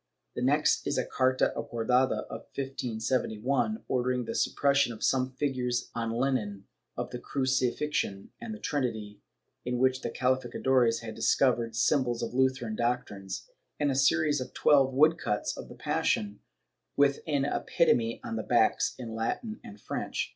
^ The next is a carta accordada of 1571, ordering the suppression of some figures on linen of the Cruci fixion and the Trinity, in which the calificadores had discovered symbols of Lutheran doctrines, and a series of twelve wood cuts of the Passion, with an epitome on the backs in Latin and French.